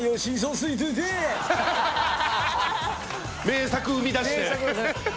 名作生みだして？